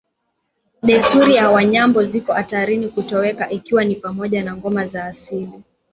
Desturi za Wanyambo ziko hatarini kutoweka ikiwa ni pamoja na ngoma za asili